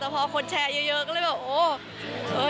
แต่พอคนแชร์เยอะก็เลยแบบโอ้